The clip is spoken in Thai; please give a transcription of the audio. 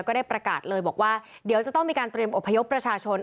ก็ได้ประกาศเลยบอกว่าเดี๋ยวจะต้องมีการเตรียมอบพยพประชาชน